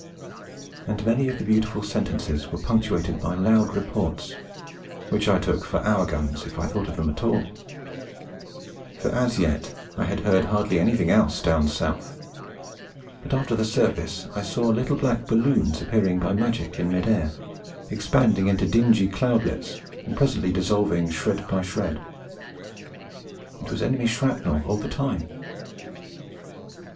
And many of the beautiful sentences were punctuated by loud reports, which I took for our guns if I thought of them at all; for as yet I had heard hardly anything else down south; but after the service I saw little black balloons appearing by magic in mid air, expanding into dingy cloudlets, and presently dissolving shred by shred. It was enemy shrapnel all the time.